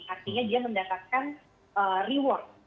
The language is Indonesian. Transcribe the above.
artinya dia mendapatkan reward